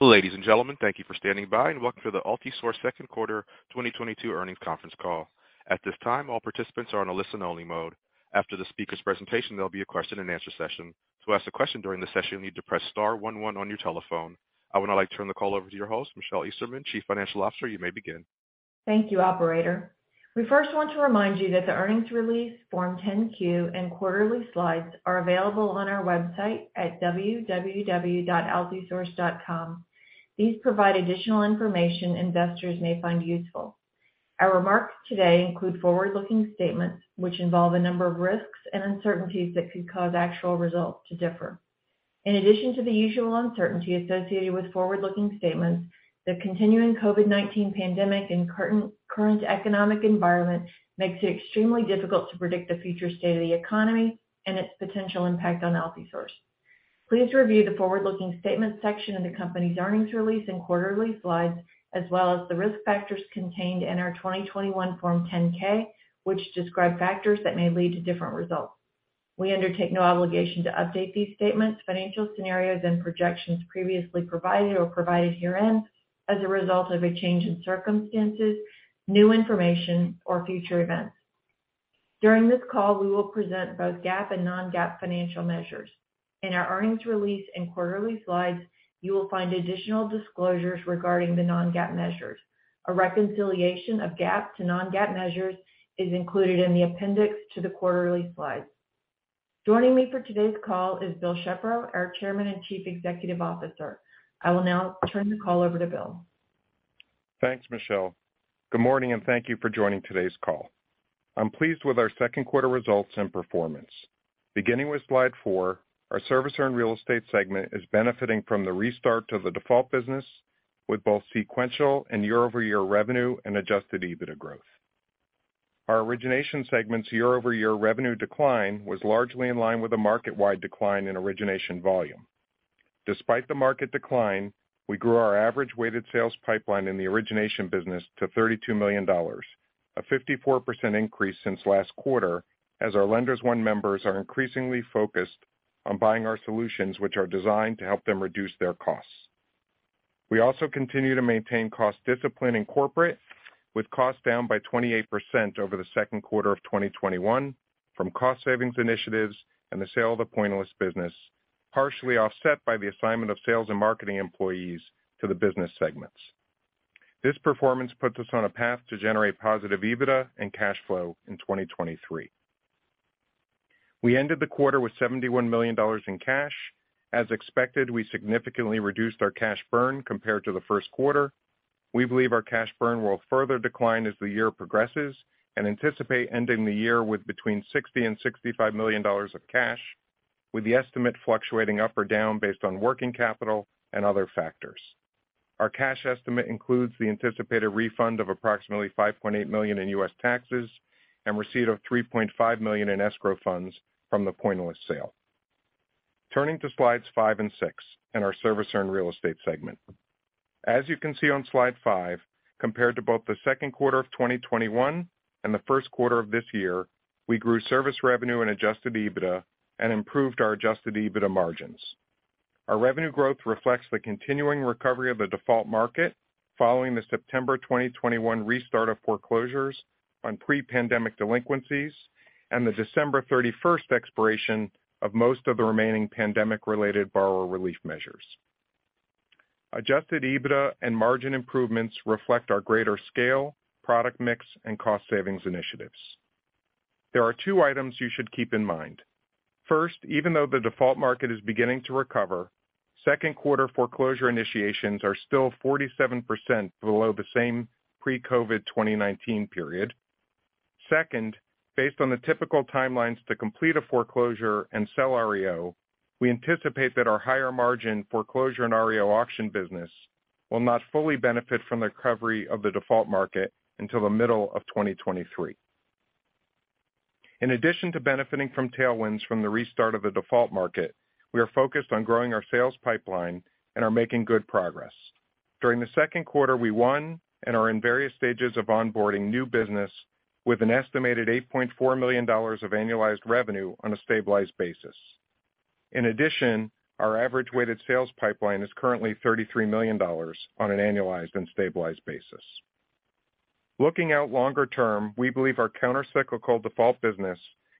Ladies and gentlemen, thank you for standing by, and welcome to the Altisource second quarter 2022 earnings conference call. At this time, all participants are on a listen only mode. After the speaker's presentation, there'll be a question and answer session. To ask a question during the session, you need to press star one one on your telephone. I would now like to turn the call over to your host, Michelle Esterman, Chief Financial Officer. You may begin. Thank you, operator. We first want to remind you that the earnings release, Form 10-Q and quarterly slides are available on our website at www.altisource.com. These provide additional information investors may find useful. Our remarks today include forward-looking statements which involve a number of risks and uncertainties that could cause actual results to differ. In addition to the usual uncertainty associated with forward-looking statements, the continuing COVID-19 pandemic and current economic environment makes it extremely difficult to predict the future state of the economy and its potential impact on Altisource. Please review the forward-looking statements section in the company's earnings release and quarterly slides, as well as the risk factors contained in our 2021 Form 10-K, which describe factors that may lead to different results. We undertake no obligation to update these statements, financial scenarios and projections previously provided or provided herein as a result of a change in circumstances, new information, or future events. During this call, we will present both GAAP and non-GAAP financial measures. In our earnings release and quarterly slides, you will find additional disclosures regarding the non-GAAP measures. A reconciliation of GAAP to non-GAAP measures is included in the appendix to the quarterly slides. Joining me for today's call is Bill Shepro, our Chairman and Chief Executive Officer. I will now turn the call over to Bill. Thanks, Michelle. Good morning and thank you for joining today's call. I'm pleased with our second quarter results and performance. Beginning with slide four, our servicer and real estate segment is benefiting from the restart of the default business with both sequential and year-over-year revenue and adjusted EBITDA growth. Our origination segment's year-over-year revenue decline was largely in line with a market-wide decline in origination volume. Despite the market decline, we grew our average weighted sales pipeline in the origination business to $32 million, a 54% increase since last quarter as our Lenders One members are increasingly focused on buying our solutions, which are designed to help them reduce their costs. We continue to maintain cost discipline in corporate, with costs down by 28% over the second quarter of 2021 from cost savings initiatives and the sale of the Pointillist business, partially offset by the assignment of sales and marketing employees to the business segments. This performance puts us on a path to generate positive EBITDA and cash flow in 2023. We ended the quarter with $71 million in cash. As expected, we significantly reduced our cash burn compared to the first quarter. We believe our cash burn will further decline as the year progresses, and anticipate ending the year with between $60 million and $65 million of cash, with the estimate fluctuating up or down based on working capital and other factors. Our cash estimate includes the anticipated refund of approximately $5.8 million in U.S. taxes and receipt of $3.5 million in escrow funds from the Pointillist sale. Turning to slides five and six in our servicer and real estate segment. As you can see on slide five, compared to both the second quarter of 2021 and the first quarter of this year, we grew service revenue and adjusted EBITDA and improved our adjusted EBITDA margins. Our revenue growth reflects the continuing recovery of the default market following the September 2021 restart of foreclosures on pre-pandemic delinquencies and the December 31 expiration of most of the remaining pandemic related borrower relief measures. Adjusted EBITDA and margin improvements reflect our greater scale, product mix and cost savings initiatives. There are two items you should keep in mind. First, even though the default market is beginning to recover, second quarter foreclosure initiations are still 47% below the same pre-COVID 2019 period. Second, based on the typical timelines to complete a foreclosure and sell REO, we anticipate that our higher margin foreclosure and REO auction business will not fully benefit from the recovery of the default market until the middle of 2023. In addition to benefiting from tailwinds from the restart of the default market, we are focused on growing our sales pipeline and are making good progress. During the second quarter, we won and are in various stages of onboarding new business with an estimated $8.4 million of annualized revenue on a stabilized basis. In addition, our average weighted sales pipeline is currently $33 million on an annualized and stabilized basis. Looking out longer term, we believe our countercyclical default business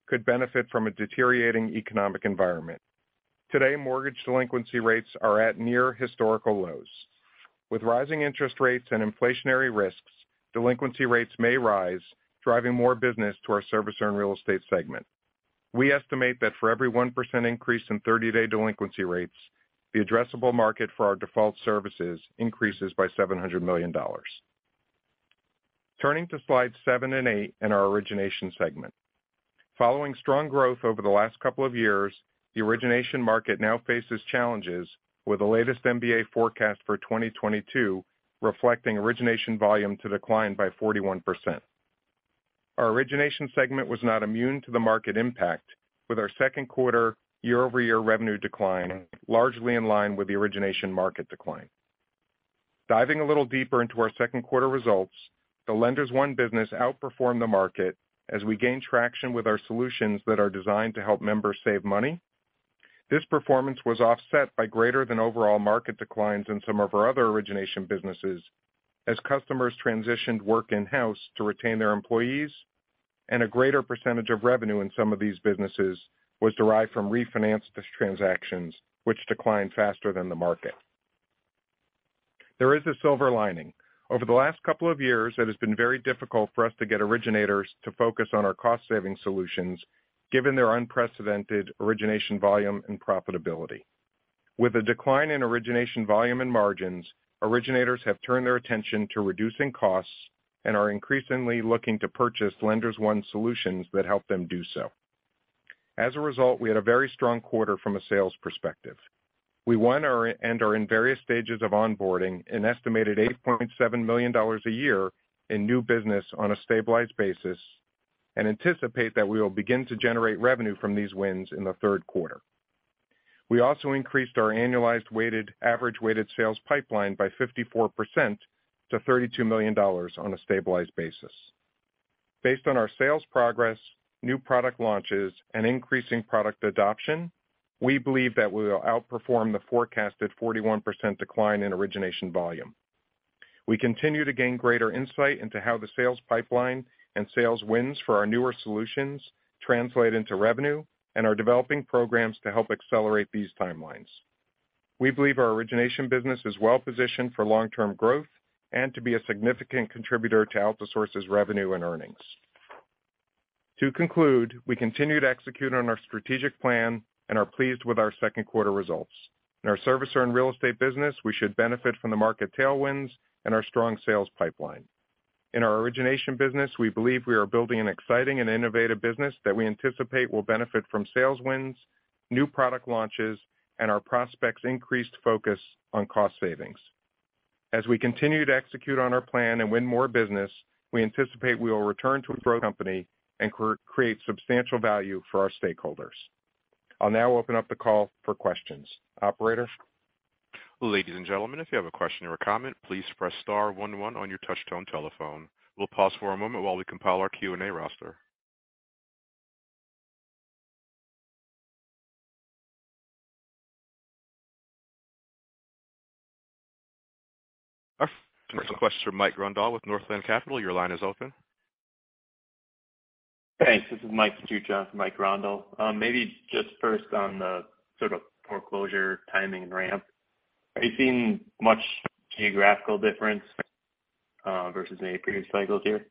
could benefit from a deteriorating economic environment. Today, mortgage delinquency rates are at near historical lows. With rising interest rates and inflationary risks, delinquency rates may rise, driving more business to our servicer and real estate segment. We estimate that for every 1% increase in 30-day delinquency rates, the addressable market for our default services increases by $700 million. Turning to slides seven and eight in our origination segment. Following strong growth over the last couple of years, the origination market now faces challenges with the latest MBA forecast for 2022 reflecting origination volume to decline by 41%. Our origination segment was not immune to the market impact with our second quarter year-over-year revenue decline largely in line with the origination market decline. Diving a little deeper into our second quarter results, the Lenders One business outperformed the market as we gain traction with our solutions that are designed to help members save money. This performance was offset by greater than overall market declines in some of our other origination businesses as customers transitioned work in-house to retain their employees, and a greater percentage of revenue in some of these businesses was derived from refinanced transactions, which declined faster than the market. There is a silver lining. Over the last couple of years, it has been very difficult for us to get originators to focus on our cost saving solutions given their unprecedented origination volume and profitability. With a decline in origination volume and margins, originators have turned their attention to reducing costs and are increasingly looking to purchase Lenders One solutions that help them do so. As a result, we had a very strong quarter from a sales perspective. We won and are in various stages of onboarding an estimated $8.7 million a year in new business on a stabilized basis, and anticipate that we will begin to generate revenue from these wins in the third quarter. We also increased our annualized weighted average sales pipeline by 54% to $32 million on a stabilized basis. Based on our sales progress, new product launches, and increasing product adoption, we believe that we will outperform the forecasted 41% decline in origination volume. We continue to gain greater insight into how the sales pipeline and sales wins for our newer solutions translate into revenue and are developing programs to help accelerate these timelines. We believe our origination business is well-positioned for long-term growth and to be a significant contributor to Altisource's revenue and earnings. To conclude, we continue to execute on our strategic plan and are pleased with our second quarter results. In our servicer and real estate business, we should benefit from the market tailwinds and our strong sales pipeline. In our origination business, we believe we are building an exciting and innovative business that we anticipate will benefit from sales wins, new product launches, and our prospects increased focus on cost savings. As we continue to execute on our plan and win more business, we anticipate we will return to a growth company and create substantial value for our stakeholders. I'll now open up the call for questions. Operator? Ladies and gentlemen, if you have a question or a comment, please press star one one on your touchtone telephone. We'll pause for a moment while we compile our Q&A roster. Our first question, Mike Grondahl with Northland Capital Markets, your line is open. Thanks. This is Mike-Mike Grondahl. Maybe just first on the sort of foreclosure timing ramp, are you seeing much geographical difference versus the current cycle here?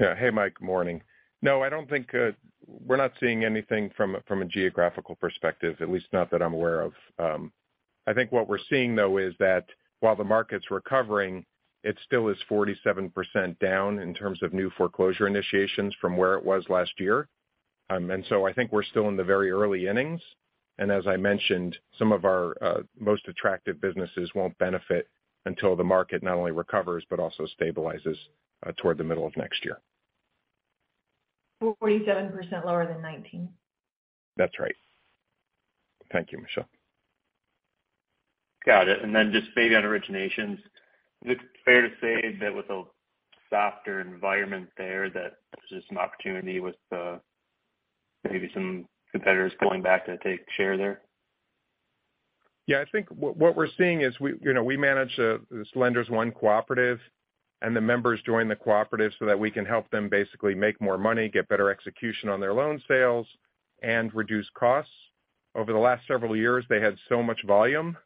Yeah. Hey, Mike. Good morning. No, I don't think we're not seeing anything from a geographical perspective, at least not that I'm aware of. I think what we're seeing, though, is that while the market's recovering, it still is 47% down in terms of new foreclosure initiations from where it was last year. I think we're still in the very early innings. As I mentioned, some of our most attractive businesses won't benefit until the market not only recovers, but also stabilizes toward the middle of next year. 47% lower than 2019? That's right. Thank you, Michelle. Got it. Just maybe on originations, is it fair to say that with a softer environment there that there's just an opportunity with, maybe some competitors going back to take share there? Yeah, I think what we're seeing is we, you know, we manage this Lenders One cooperative, and the members join the cooperative so that we can help them basically make more money, get better execution on their loan sales, and reduce costs. Over the last several years, they had so much volume,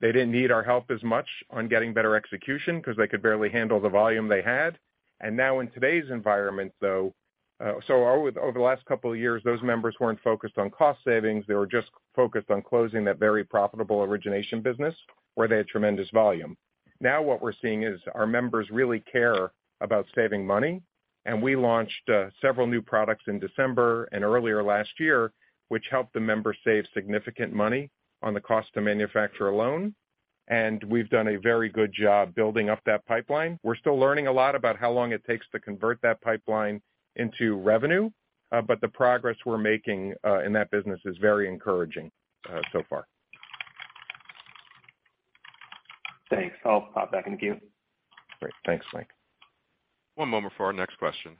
they didn't need our help as much on getting better execution 'cause they could barely handle the volume they had. Now in today's environment, though, so over the last couple of years, those members weren't focused on cost savings. They were just focused on closing that very profitable origination business where they had tremendous volume. Now what we're seeing is our members really care about saving money, and we launched several new products in December and earlier last year, which helped the members save significant money on the cost to manufacture a loan. We've done a very good job building up that pipeline. We're still learning a lot about how long it takes to convert that pipeline into revenue, but the progress we're making in that business is very encouraging so far. Thanks. I'll pop back in the queue. Great. Thanks, Mike. One moment for our next question.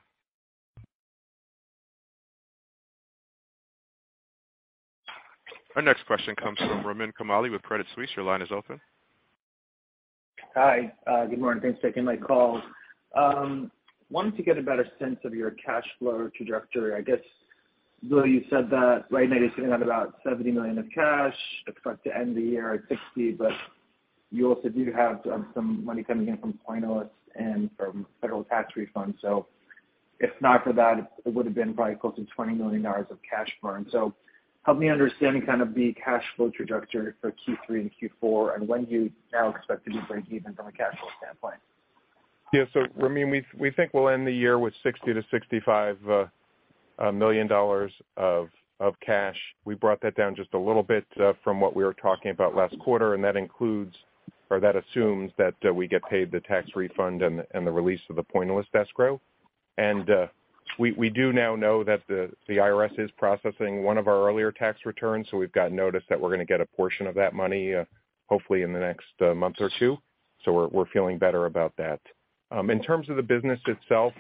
Our next question comes from Ramin Kamali with Credit Suisse. Your line is open. Hi. Good morning. Thanks for taking my call. Wanted to get a better sense of your cash flow trajectory. I guess, Lou, you said that right now you're sitting at about $70 million of cash. Expect to end the year at $60 million, but you also do have some money coming in from Pointillist and from federal tax refunds. If not for that, it would have been probably close to $20 million of cash burn. Help me understand kind of the cash flow trajectory for Q3 and Q4, and when do you now expect to be breakeven from a cash flow standpoint? Yeah. So Ramin, we think we'll end the year with $60 million-$65 million of cash. We brought that down just a little bit from what we were talking about last quarter, and that includes or that assumes that we get paid the tax refund and the release of the Pointillist escrow. We do now know that the IRS is processing one of our earlier tax returns, so we've got notice that we're gonna get a portion of that money, hopefully in the next month or two. We're feeling better about that. In terms of the business itself,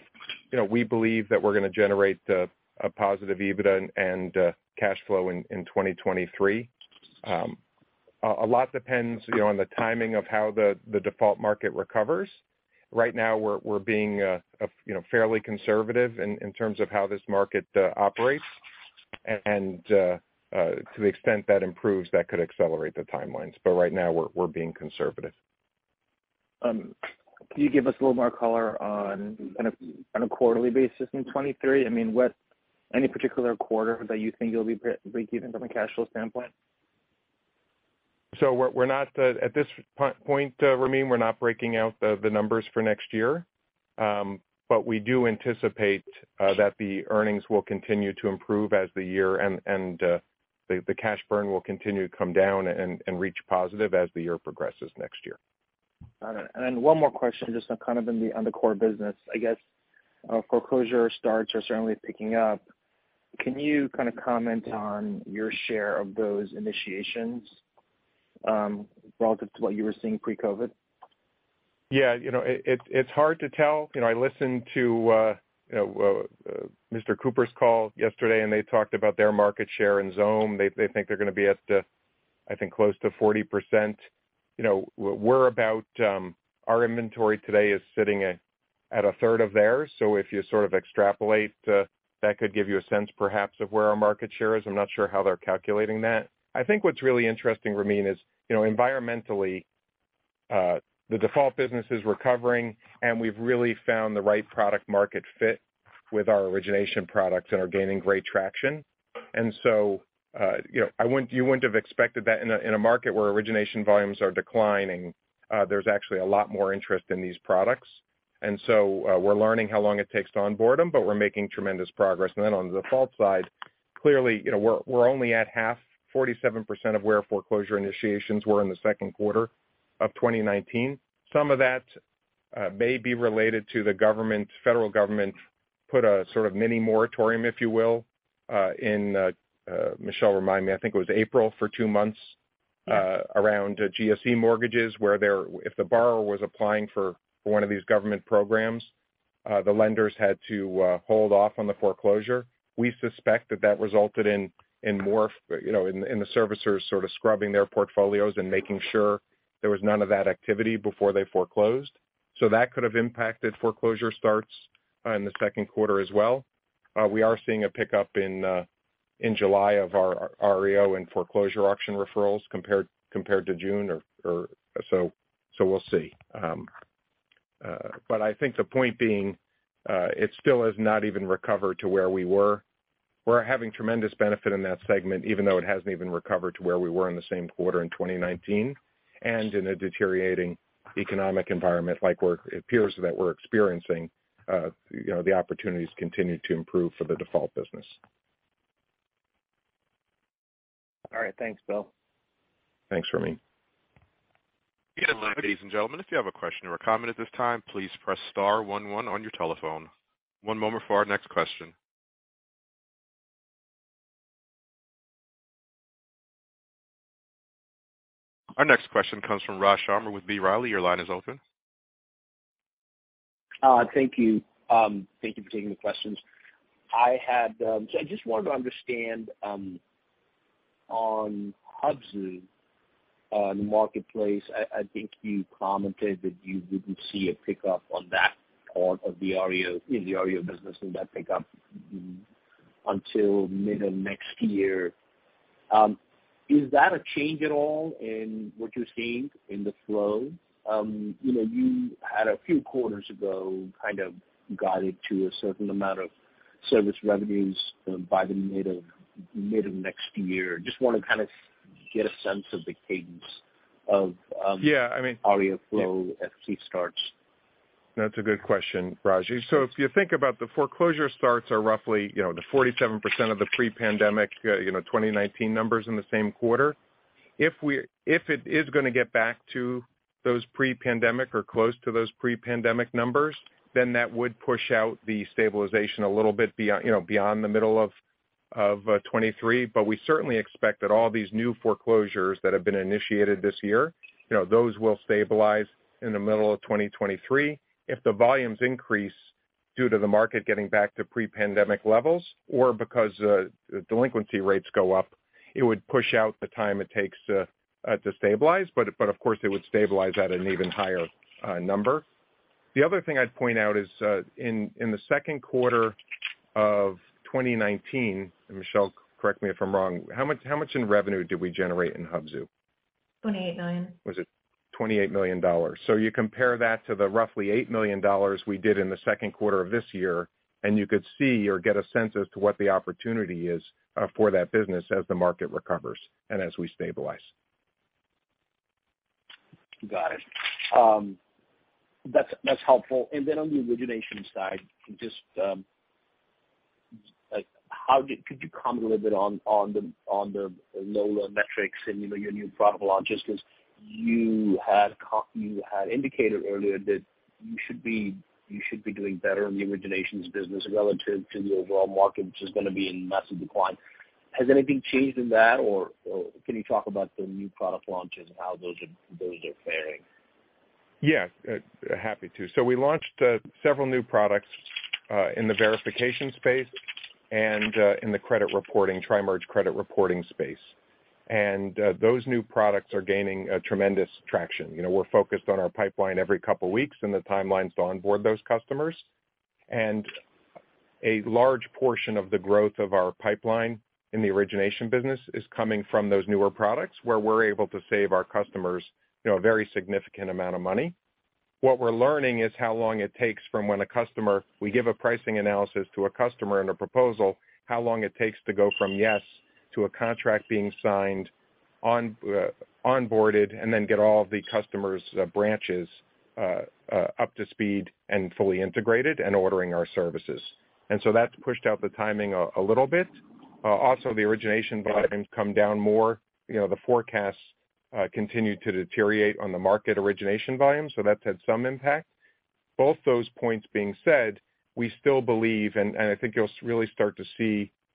you know, we believe that we're gonna generate a positive EBITDA and cash flow in 2023. A lot depends, you know, on the timing of how the default market recovers. Right now we're being, you know, fairly conservative in terms of how this market operates. To the extent that improves, that could accelerate the timelines. Right now we're being conservative. Can you give us a little more color on kind of on a quarterly basis in 2023? I mean, what any particular quarter that you think you'll be breaking even from a cash flow standpoint? We're not at this point, Ramin, breaking out the numbers for next year. We do anticipate that the earnings will continue to improve as the year and the cash burn will continue to come down and reach positive as the year progresses next year. Got it. One more question, just kind of on the core business. I guess, foreclosure starts are certainly picking up. Can you kind of comment on your share of those initiations, relative to what you were seeing pre-COVID? Yeah. You know, it's hard to tell. You know, I listened to Mr. Cooper's call yesterday, and they talked about their market share and Xome. They think they're gonna be at, I think, close to 40%. You know, our inventory today is sitting at a third of theirs. If you sort of extrapolate, that could give you a sense perhaps of where our market share is. I'm not sure how they're calculating that. I think what's really interesting, Ramin, is, you know, in the environment, the default business is recovering, and we've really found the right product market fit with our origination products and are gaining great traction. You know, you wouldn't have expected that in a market where origination volumes are declining. There's actually a lot more interest in these products. On the default side, clearly, you know, we're only at half, 47% of where foreclosure initiations were in the second quarter of 2019. Some of that may be related to the government. The federal government put a sort of mini moratorium, if you will, Michelle, remind me, I think it was April for two months. Yeah Around GSE mortgages, where if the borrower was applying for one of these government programs, the lenders had to hold off on the foreclosure. We suspect that resulted in more, you know, in the servicers sort of scrubbing their portfolios and making sure there was none of that activity before they foreclosed. That could have impacted foreclosure starts in the second quarter as well. We are seeing a pickup in July of our REO and foreclosure auction referrals compared to June or so we'll see. I think the point being, it still has not even recovered to where we were. We're having tremendous benefit in that segment, even though it hasn't even recovered to where we were in the same quarter in 2019. In a deteriorating economic environment it appears that we're experiencing, you know, the opportunities continue to improve for the default business. All right. Thanks, Bill. Thanks, Ramin. Ladies and gentlemen, if you have a question or a comment at this time, please press star one one on your telephone. One moment for our next question. Our next question comes from Raj Sharma with B. Riley. Your line is open. Thank you. Thank you for taking the questions. I just wanted to understand, on Hubzu, on the marketplace, I think you commented that you didn't see a pickup on that part of the REO, in the REO business and that pickup until mid of next year. Is that a change at all in what you're seeing in the flow? You know, you had a few quarters ago kind of guided to a certain amount of service revenues by the mid of next year. Just wanna kind of get a sense of the cadence of. Yeah, I mean. REO flow as he starts. That's a good question, Raji. If you think about the foreclosure starts are roughly, you know, the 47% of the pre-pandemic, you know, 2019 numbers in the same quarter. If it is gonna get back to those pre-pandemic or close to those pre-pandemic numbers, then that would push out the stabilization a little bit beyond the middle of 2023. We certainly expect that all these new foreclosures that have been initiated this year, you know, those will stabilize in the middle of 2023. If the volumes increase due to the market getting back to pre-pandemic levels or because delinquency rates go up, it would push out the time it takes to stabilize, but of course, it would stabilize at an even higher number. The other thing I'd point out is, in the second quarter of 2019, and Michelle, correct me if I'm wrong, how much in revenue did we generate in Hubzu? $28 million. Was it $28 million? You compare that to the roughly $8 million we did in the second quarter of this year, and you could see or get a sense as to what the opportunity is, for that business as the market recovers and as we stabilize. Got it. That's helpful. Then on the origination side, could you comment a little bit on the Lenders One metrics and, you know, your new product launches? Because you had indicated earlier that you should be doing better in the originations business relative to the overall market, which is gonna be in massive decline. Has anything changed in that or can you talk about the new product launches and how those are faring? Yeah. Happy to. We launched several new products in the verification space and in the Tri-merge credit reporting space. Those new products are gaining a tremendous traction. You know, we're focused on our pipeline every couple weeks and the timelines to onboard those customers. A large portion of the growth of our pipeline in the origination business is coming from those newer products, where we're able to save our customers, you know, a very significant amount of money. What we're learning is how long it takes from when a customer. We give a pricing analysis to a customer and a proposal, how long it takes to go from yes to a contract being signed on, onboarded, and then get all the customer's branches up to speed and fully integrated and ordering our services. That's pushed out the timing a little bit. Also the origination volume come down more. You know, the forecasts continue to deteriorate on the market origination volume, so that's had some impact. Both those points being said, we still believe, and I think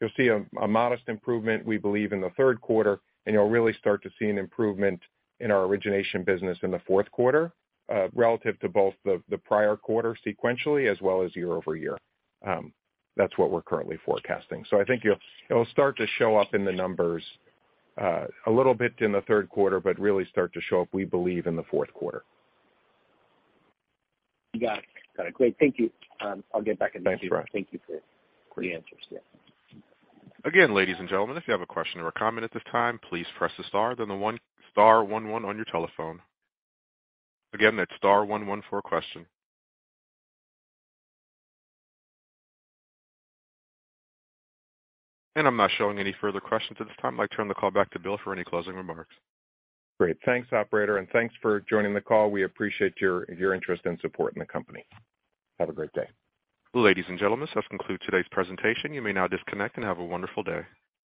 you'll see a modest improvement, we believe, in the third quarter, and you'll really start to see an improvement in our origination business in the fourth quarter, relative to both the prior quarter sequentially as well as year-over-year. That's what we're currently forecasting. I think you'll, it'll start to show up in the numbers a little bit in the third quarter, but really start to show up, we believe, in the fourth quarter. Got it. Great. Thank you. I'll get back in touch with you. Thanks, Raj. Thank you for the answers. Yeah. Again, ladies and gentlemen, if you have a question or a comment at this time, please press star one one on your telephone. Again that's star one one for a question. I'm not showing any further questions at this time. I'd like to turn the call back to Bill for any closing remarks. Great. Thanks, operator, and thanks for joining the call. We appreciate your interest and support in the company. Have a great day. Ladies and gentlemen, this does conclude today's presentation. You may now disconnect and have a wonderful day.